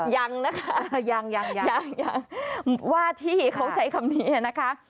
ยังนะคะยังยังว่าที่เขาใช้คำนี้นะคะ